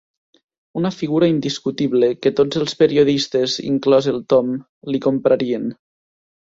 Una figura indiscutible, que tots els periodistes, inclòs el Tom, li comprarien.